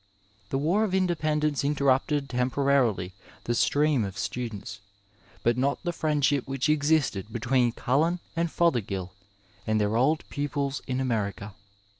The War of Independence interrupted temporarily the stream of students, but not the friendship which existed between Cullen and Fothergill and their old pupils in America.